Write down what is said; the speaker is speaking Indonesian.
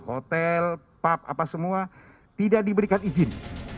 hotel pub apa semua tidak diberikan izin